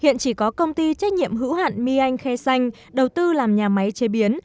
hiện chỉ có công ty trách nhiệm hữu hạn my anh khe xanh đầu tư làm nhà máy chế biến